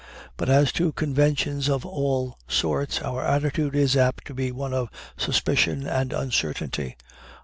But as to conventions of all sorts, our attitude is apt to be one of suspicion and uncertainty.